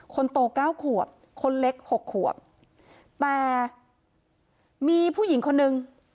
คนโตเก้าขวบคนเล็กหกขวบแต่มีผู้หญิงคนนึง